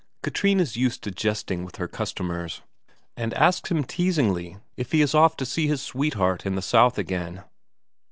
Katrine is used to jesting with her customers, and asks him teasingly if he is off to see his sweetheart in the south again.